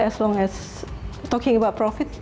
berbicara tentang profit